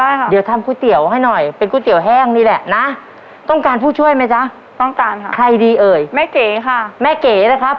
และนี่คืออุปกรณ์สำหรับโจทย์ข้อนี้ครับ